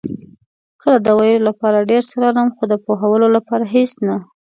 کله د ویلو لپاره ډېر څه لرم، خو د پوهولو لپاره هېڅ نه.